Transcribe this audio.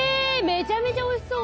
めちゃめちゃおいしそう。